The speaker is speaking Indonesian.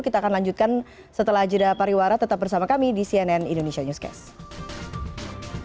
kita akan lanjutkan setelah jeda pariwara tetap bersama kami di cnn indonesia newscast